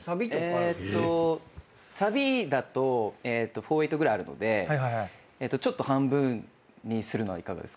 えーっとサビだとフォーエイトぐらいあるのでちょっと半分にするのはいかがですか？